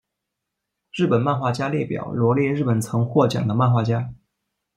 日本漫画家列表罗列日本曾获奖的漫画家。